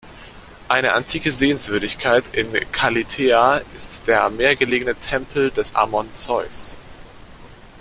Eine antike Sehenswürdigkeit in Kallithea ist der am Meer gelegene Tempel des Ammon Zeus.